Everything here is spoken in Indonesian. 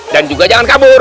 dan juga jangan kabur